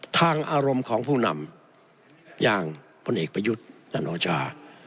อารมณ์ของผู้นำอย่างพลเอกประยุทธ์จันโอชา